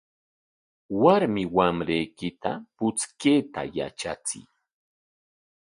Warmi wamrayki puchkayta yatrachiy.